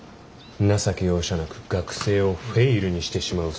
情け容赦なく学生をフェイルにしてしまうそうだ。